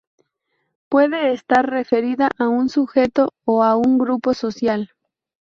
Puede estar referida a un sujeto o a un grupo social.